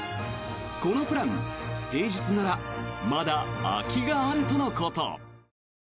このプラン、平日ならまだ空きがあるとのこと。